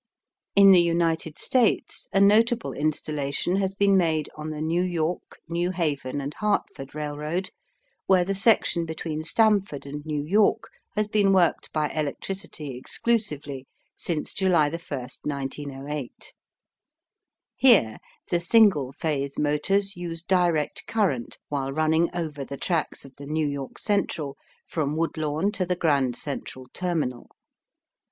In the United States a notable installation has been on the New York, New Haven & Hartford Railroad, where the section between Stamford and New York has been worked by electricity exclusively since July 1, 1908. Here the single phase motors use direct current while running over the tracks of the New York Central from Woodlawn to the Grand Central Terminal.